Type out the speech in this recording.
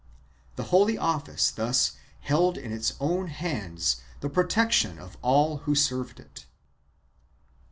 1 The Holy Office thus held in its own hands the protection of all who served it.